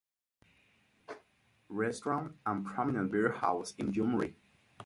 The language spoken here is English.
Restaurant and prominent beerhouse in Gyumri.